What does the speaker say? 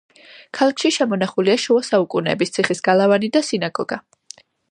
ქალაქში შემონახულია შუა საუკუნეების ციხის გალავანი და სინაგოგა.